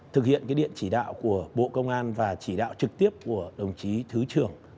thực hiện điện chỉ đạo của bộ công an và chỉ đạo trực tiếp của đồng chí thứ trưởng